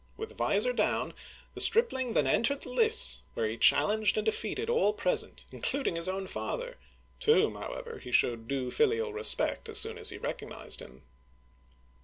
With visor down, the stripling then entered the lists, where he challenged and defeated all present, including his own father, to whom, however, he showed due filial respect as soon as he recognized him.